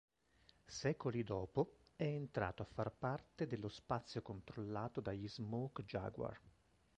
Secoli dopo, è entrato a far parte dello spazio controllato dagli Smoke Jaguar.